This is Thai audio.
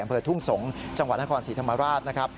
อำเภอทุ่งสงศ์จังหวัดนครศรีธรรมราชนะครับ